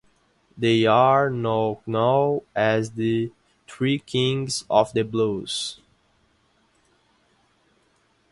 They are now known as the "Three Kings of the Blues".